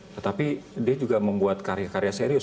tetapi dia juga membuat karya karya serius